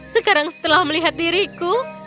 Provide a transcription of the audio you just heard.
sekarang setelah melihat diriku